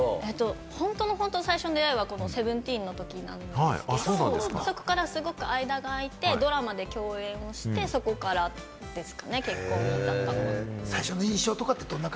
本当の本当の最初の出会いは『Ｓｅｖｅｎｔｅｅｎ』のときなんですけれども、そこからすごく間が空いて、ドラマで共演して、そこからですかね、結婚に至ったのは。